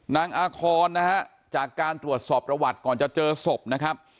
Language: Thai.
นางอาคอนนะฮะจากการตรวจสอบประวัติก่อนจะเจอศพนะครับ